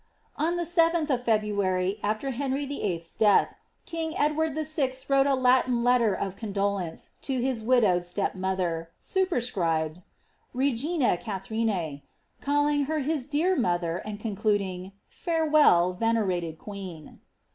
On the 7th of Febru ary, after Henry VIll.'s death, king Edward VI. wrote a Latin letter of eondolence to his widowed step mother, superscribed ^^ Reginse Katha linae,'^ calling her his dear mother, and concluding, ^^ Farewell, venerated queen."